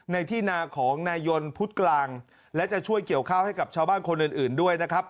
ในที่นาของนายนพุทธกลางและจะช่วยเกี่ยวข้าวให้กับชาวบ้านคนอื่นด้วยนะครับ